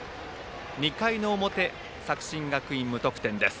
２回の表、作新学院、無得点です。